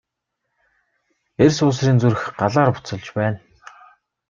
Эр суусрын зүрх Галаар буцалж байна.